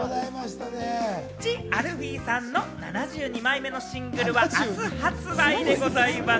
ＴＨＥＡＬＦＥＥさんの７２枚目のシングルは明日発売でございます。